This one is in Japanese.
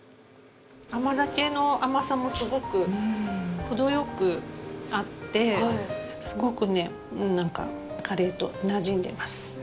甘酒の甘さもすごく程良くあってすごくねなんかカレーとなじんでます。